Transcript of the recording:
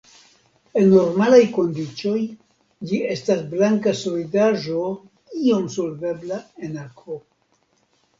En normalaj kondiĉoj ĝi estas blanka solidaĵo iom solvebla en akvo.